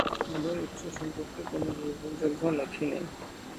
তাদের উৎস সম্পর্কে কোন নির্ভরযোগ্য নথি নেই।